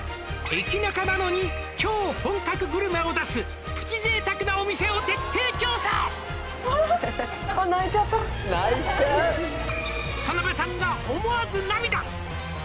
「駅ナカなのに超本格グルメを出す」「プチ贅沢なお店を徹底調査」「田辺さんが思わず涙」